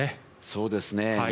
そうですね。